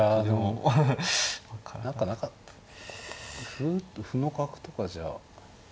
歩歩の角とかじゃ。